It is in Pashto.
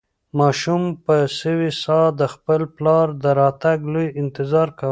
ماشوم په سوې ساه د خپل پلار د راتګ لوی انتظار کاوه.